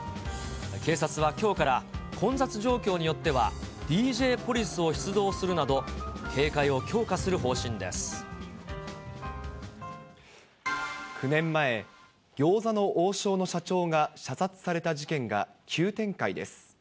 警察はきょうから、混雑状況によっては、ＤＪポリスを出動するなど、９年前、餃子の王将の社長が、射殺された事件が急展開です。